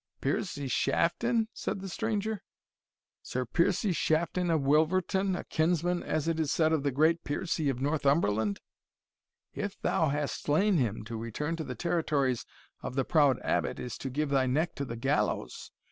"Piercie Shafton?" said the stranger; "Sir Piercie Shafton of Wilverton, a kinsman, as it is said, of the great Piercie of Northumberland? If thou hast slain him, to return to the territories of the proud Abbot is to give thy neck to the gallows.